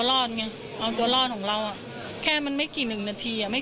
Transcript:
พูดสิทธิ์ข่าวธรรมดาทีวีรายงานสดจากโรงพยาบาลพระนครศรีอยุธยาครับ